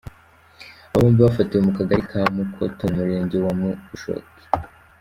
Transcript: Aba bombi bafatiwe mu Kagari ka Mukoto, mu murenge wa Bushoki.